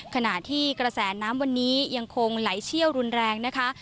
ขณะที่กระแสน้ำวันนี้ยังคงไหลเชี่ยวรุนแรงนะคะ